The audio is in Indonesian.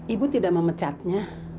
ibu tidak memecatnya